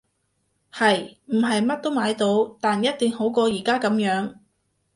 係！唔係乜都買到，但一定好過而家噉樣